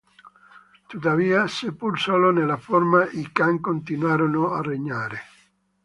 Tuttavia, seppur solo nella forma, i khan continuarono a regnare.